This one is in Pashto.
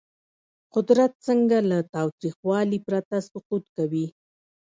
قدرت څنګه له تاوتریخوالي پرته سقوط کوي؟